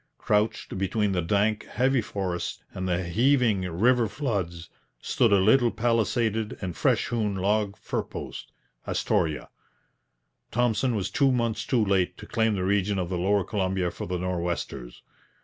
Crouched between the dank, heavy forests and the heaving river floods, stood a little palisaded and fresh hewn log fur post Astoria. Thompson was two months too late to claim the region of the lower Columbia for the Nor'westers.